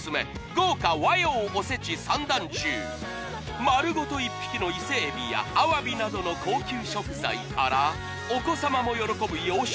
豪華和洋おせち三段重丸ごと１匹のイセエビやアワビなどの高級食材からお子様も喜ぶ洋食